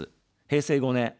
平成５年。